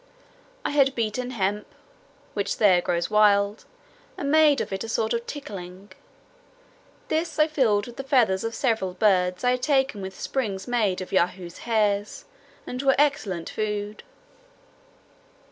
I had beaten hemp, which there grows wild, and made of it a sort of ticking; this I filled with the feathers of several birds I had taken with springes made of Yahoos' hairs, and were excellent food.